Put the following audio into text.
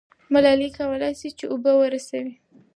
ملالۍ کولای سي چې اوبه ورسوي.